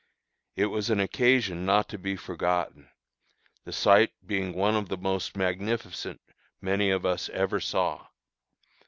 It was an occasion not to be forgotten, the sight being one of the most magnificent many of us ever saw.